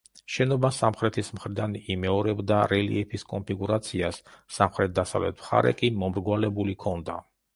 შენობა სამხრეთის მხრიდან იმეორებდა რელიეფის კონფიგურაციას, სამხრეთ-დასავლეთ მხარე კი მომრგვალებული ჰქონდა.